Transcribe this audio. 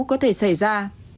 có thể xảy ra